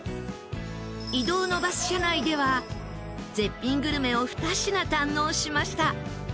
移動のバス車内では絶品グルメを２品堪能しました。